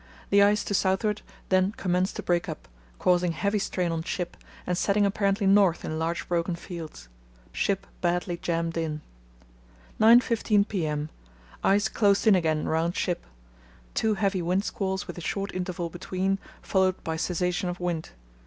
The ice to southward then commenced to break up, causing heavy strain on ship, and setting apparently north in large broken fields. Ship badly jammed in. 9.15 p.m.—Ice closed in again around ship. Two heavy windsqualls with a short interval between followed by cessation of wind.